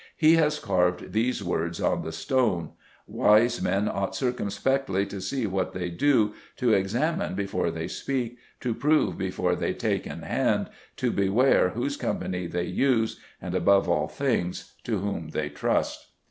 He has carved these words on the stone: "Wise men ought circumspectly to see what they do, to examine before they speake, to prove before they take in hand, to beware whose company they use, and, above all things, to whom they truste."